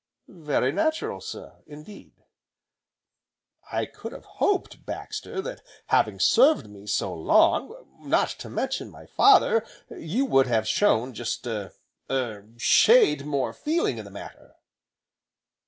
"Very natural, sir, indeed!" "I could have hoped, Baxter, that, having served me so long, not to mention my father, you would have shown just a er shade more feeling in the matter."